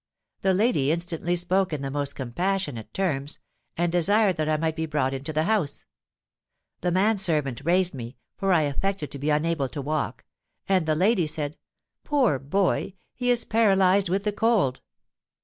'—The lady instantly spoke in the most compassionate terms, and desired that I might be brought into the house. The man servant raised me, for I affected to be unable to walk; and the lady said, 'Poor boy, he is paralysed with the cold!'